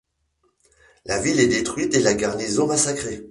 La ville est détruite et la garnison massacrée.